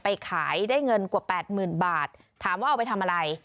ขายได้เงินกว่าแปดหมื่นบาทถามว่าเอาไปทำอะไร